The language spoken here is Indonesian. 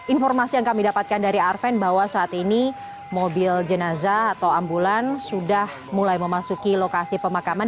informasi yang kami dapatkan dari arven bahwa saat ini mobil jenazah atau ambulan sudah mulai memasuki lokasi pemakaman